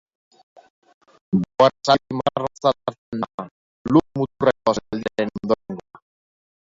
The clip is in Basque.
Boer zaldi modernotzat hartzen da, Lur muturreko zaldiaren ondorengoa.